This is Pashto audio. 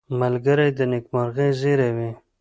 ملګری د نېکمرغۍ زېری وي